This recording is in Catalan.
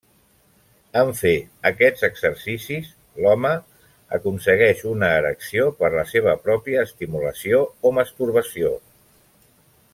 En fer aquests exercicis, l'home aconsegueix una erecció per la seva pròpia estimulació o masturbació.